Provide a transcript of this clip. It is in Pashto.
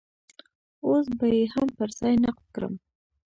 اوس به يې هم پر ځای نقد کړم.